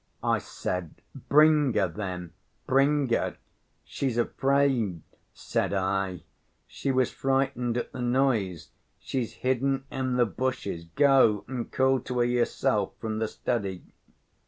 I said. 'Bring her then, bring her.' 'She's afraid,' said I; 'she was frightened at the noise, she's hidden in the bushes; go and call to her yourself from the study.